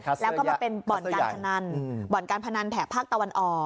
แล้วก็เป็นบ่อนการพนันแผ่ภาคตะวันออก